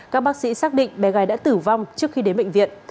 các bác sĩ xác định bé gái đã tử vong trước khi đến bệnh viện